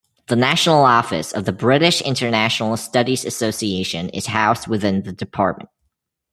The national office of the British International Studies Association is housed within the department.